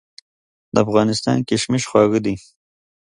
د افغانستان کشمش خواږه دي.